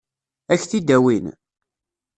Ad k-t-id-awin?